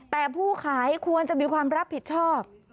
แต่ผู้ขายควรจะมีความรับผิดชอบ